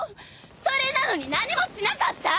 それなのに何もしなかった！